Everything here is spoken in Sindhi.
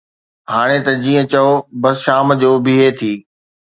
هاڻي ته جيئن چئو، بس شام جو بيهي ٿي